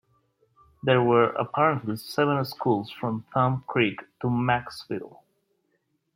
There were apparently seven schools from Thumb Creek to Macksville.